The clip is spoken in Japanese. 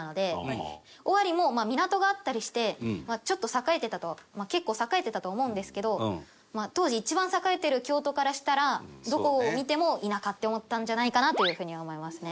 尾張も港があったりしてちょっと栄えてたと結構栄えてたと思うんですけど当時一番栄えてる京都からしたらどこを見ても田舎って思ったんじゃないかなという風には思いますね。